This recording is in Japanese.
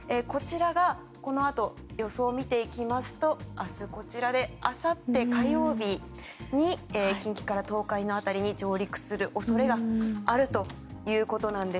このあとの予想を見ていきますと明日、こちらであさって火曜日に近畿から東海辺りに上陸する恐れがあるということです。